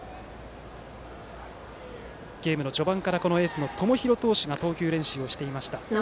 ゲームの序盤からエースの友廣投手が投球練習をしていました。